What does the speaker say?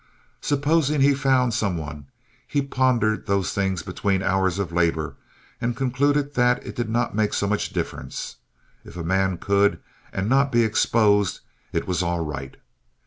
Supposing he found some one? He pondered those things between hours of labor, and concluded that it did not make so much difference. If a man could, and not be exposed, it was all right.